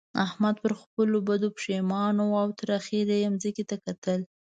احمد پر خپلو بدو پېښمانه وو او تر اخېره يې ځمکې ته کتل.